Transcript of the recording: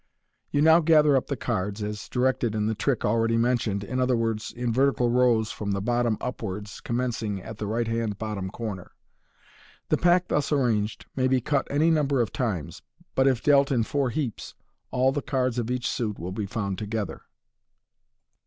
You now gather up the cards as directed in the trick already mentioned, i.e., in vertical rows, from the bottom up wards, commencing at the right hand bottom corner. The pack thus MODERN MAGIC, 67 arranged may be cut any number of times, but, if dealt in four heaps, ail the cards of each suit will be found to be together.